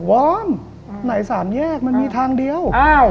วอนไหนสามแยกมันมีทางเดียว